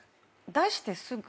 出してすぐ。